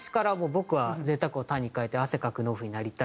「僕は贅沢を田に変えて汗かく農夫になりたい」と。